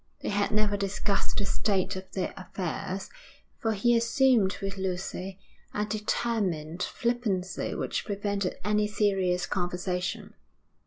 They had never discussed the state of their affairs, for he assumed with Lucy a determined flippancy which prevented any serious conversation.